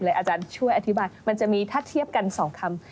อาจารย์ช่วยอธิบายมันจะมีถ้าเทียบกัน๒คำ